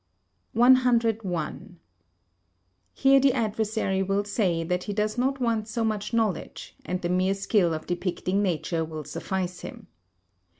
101. Here the adversary will say that he does not want so much knowledge, and the mere skill of depicting nature will suffice him.